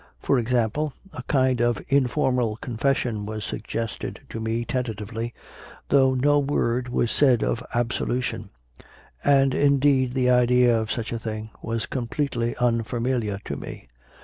For example, a kind of informal confession was sug gested to me tentatively, though no word was said of absolution, and indeed the idea of such a thing was completely unfamiliar to me.